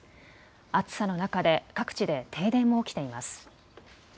暑さの中で各地で停電も起きています。